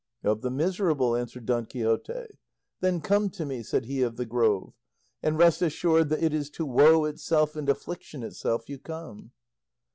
"Of the miserable," answered Don Quixote. "Then come to me," said he of the Grove, "and rest assured that it is to woe itself and affliction itself you come."